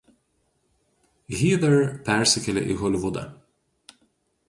Heather persikėlė į Holivudą.